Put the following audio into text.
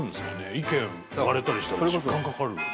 意見、割れたりしたら時間かかるよね。